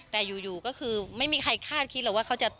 แต่อยู่ก็คือไม่มีใครคาดคิดหรอกว่าเขาจะ